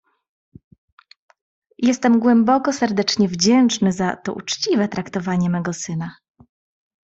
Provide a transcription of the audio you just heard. "Jestem głęboko, serdecznie wdzięczny za to uczciwe traktowanie mego syna."